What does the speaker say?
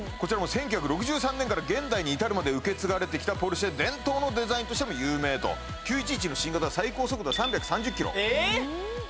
１９６３年から現代に至るまで受け継がれてきたポルシェ伝統のデザインとしても有名と９１１の新型は最高速度は３３０キロええっ！？